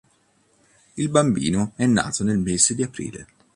Il bambino è nato nel mese di aprile.